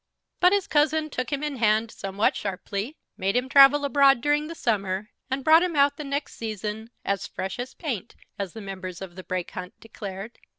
But his cousin took him in hand somewhat sharply, made him travel abroad during the summer, and brought him out the next season, "as fresh as paint," as the members of the Brake Hunt declared.